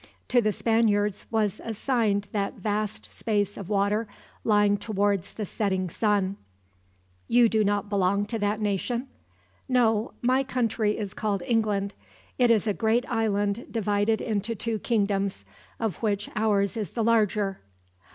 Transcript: To the Spaniards was assigned that vast space of water lying towards the setting sun." "You do not belong to that nation?" "No. My country is called England. It is a great island divided into two kingdoms, of which ours is the larger."